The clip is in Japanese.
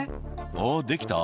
「あっできた？